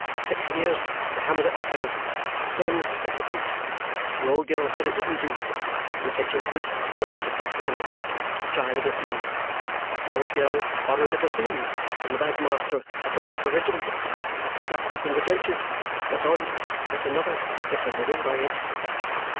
Six years I hammered at the fiddle. Ten at the flute. The old girl said it wouldn't do; intention good, but want of flexibility; try the bassoon. The old girl borrowed a bassoon from the bandmaster of the Rifle Regiment. I practised in the trenches. Got on, got another, get a living by it!"